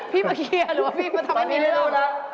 พี่มาเครียร์หรือว่าพี่มาทำอะไรเล่นหรือเปล่า